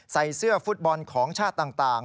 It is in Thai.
ใส่เสื้อฟุตบอลของชาติต่าง